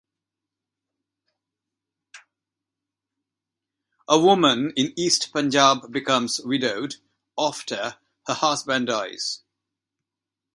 A woman in East Punjab becomes widowed after her husband dies.